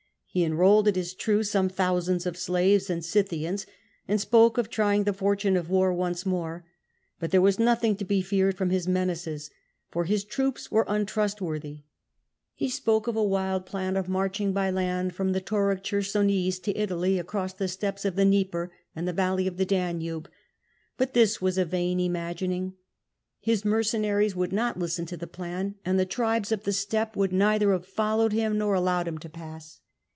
He enrolled, it is true, some thousands of slaves and Scythians, and spoke of trying the fortune of war once more. But there was nothing to be feared from his menaces, for his troops were untrustworthy. He spoke of a wild plan of march ing by land from the Tauric Chersonese to Italy, across the steppes of the Dnieper and the valley of the Danube. But this was a vain imagining; his mercenaries would not listen to the plan, and the tribes of the steppe would neither have followed him nor allowed him to pass.